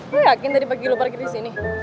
gue yakin tadi pagi lo parkir disini